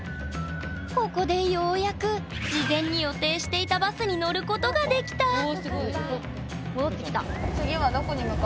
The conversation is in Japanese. ここでようやく事前に予定していたバスに乗ることができたえ？